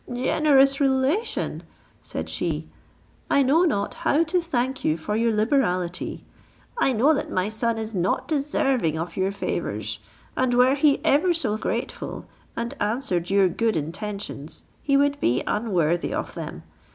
"Generous relation!" said she, "I know not how to thank you for your liberality! I know that my son is not deserving of your favours; and were he ever so grateful, and answered your good intentions, he would be unworthy of them.